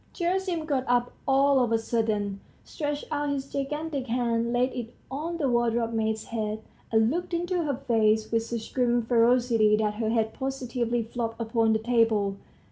Gerasim got up all of a sudden, stretched out his gigantic hand, laid it on the wardrobe maid's head, and looked into her face with such grim ferocity that her head positively flopped upon the table.